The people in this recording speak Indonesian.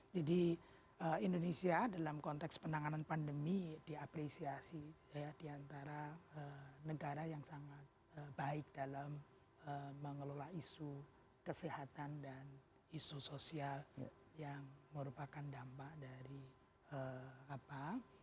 jadi indonesia dalam konteks penanganan pandemi diapresiasi ya diantara negara yang sangat baik dalam mengelola isu kesehatan dan isu sosial yang merupakan dampak dari apa